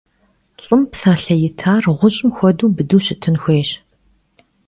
Lh'ım psalhe yitar ğuş'ım xuedeu bıdeu şıtın xuêyş.